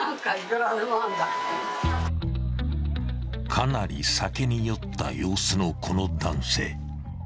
［かなり酒に酔った様子のこの男性］